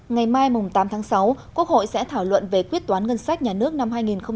ngày mai tám tháng sáu quốc hội sẽ thảo luận về quyết toán ngân sách nhà nước năm hai nghìn một mươi tám